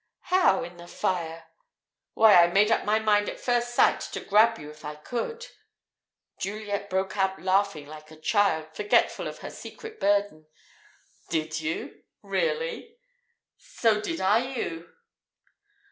"How, in the fire?" "Why, I made up my mind at first sight to grab you if I could " Juliet broke out laughing like a child, forgetful of her secret burden. "Did you really? So did I you!"